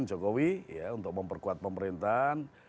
pak jokowi untuk memperkuat pemerintahan